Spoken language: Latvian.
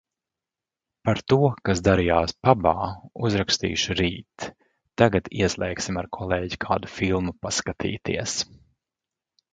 Par to, kas darījās pabā, uzrakstīšu rīt. Tagad ieslēgsim ar kolēģi kādu filmu paskatīties.